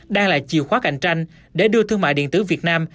đang là chiều khoát ảnh tranh để đưa thương mại điện tử việt nam